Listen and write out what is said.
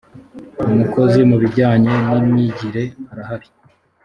umukozi mu bijyanye nimyigire arahari.